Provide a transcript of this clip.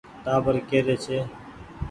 ٽآٻر ڪي ري ڇي ۔